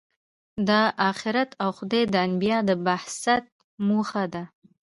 دا آخرت او خدای د انبیا د بعثت موخه ده.